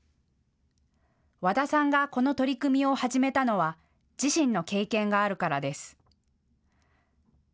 和田さんがこの取り組みを始めたのは自身の経験があるからです。